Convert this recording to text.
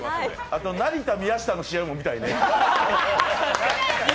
あと成田、宮下の試合も見たいね。